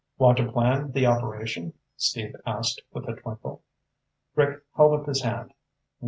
"Want to plan the operation?" Steve asked with a twinkle. Rick held up his hand.